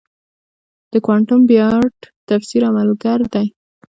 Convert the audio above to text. د کوانټم بیارد تفسیر عملگر دی.